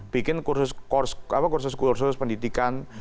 bikin kursus kursus pendidikan